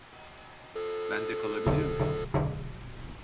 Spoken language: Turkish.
Bende kalabilir mi?